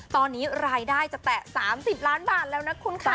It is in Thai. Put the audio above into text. ตอนนี้รายได้จะแตะ๓๐ล้านบาทแล้วนะคุณค่ะ